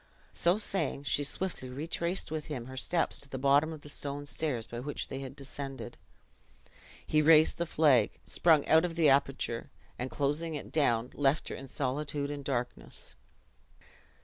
So saying, she swiftly retraced with him her steps to the bottom of the stone stairs by which they had descended. He raised the flag, sprung out of the aperture, and closing it down, left her in solitude and darkness.